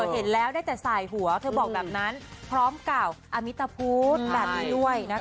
เห็นแล้วได้แต่สายหัวเธอบอกแบบนั้นพร้อมกล่าวอมิตพุทธแบบนี้ด้วยนะคะ